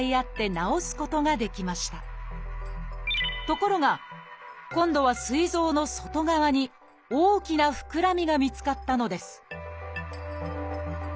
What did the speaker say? ところが今度はすい臓の外側に大きな膨らみが見つかったのです